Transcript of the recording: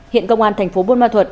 hiện công an tp bôn ma thuật